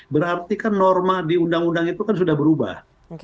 berarti kan norma di undang undang itu kan sudah berubah